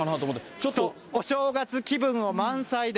ちょっとお正月気分を満載で。